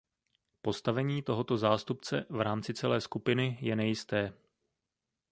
Postavení tohoto zástupce v rámci celé skupiny je nejisté.